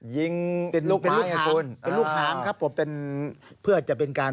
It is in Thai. ยิงเป็นลูกเป็นลูกให้คุณเป็นลูกหางครับผมเป็นเพื่อจะเป็นการ